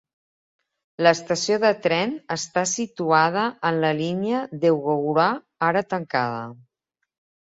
L'estació de tren està situada en la línia d'Eugowra, ara tancada.